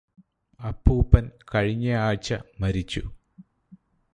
അപ്പൂപ്പന് കഴിഞ്ഞ ആഴ്ച്ച മരിച്ചു